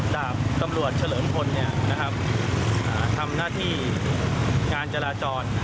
ดาบตำรวจเฉลิมพลทำหน้าที่งานจราจร